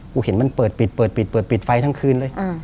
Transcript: กูเห็นมันเปิดปิดไฟทั้งคืนเลย